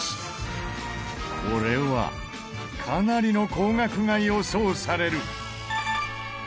これはかなりの高額が予想される。